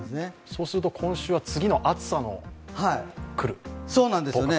そうすると今週は次の暑さもくるとか。